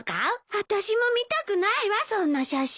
あたしも見たくないわそんな写真。